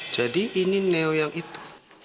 jadi ini neo yang itu